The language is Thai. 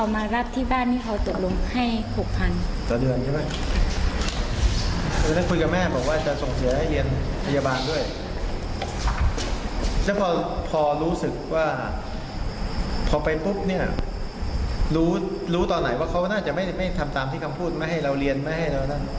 ไม่ทำตามที่เขาพูดไม่ให้เราเรียนไม่ให้เรานั่น